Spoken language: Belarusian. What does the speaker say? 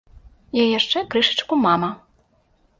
Я яшчэ крышачку мама.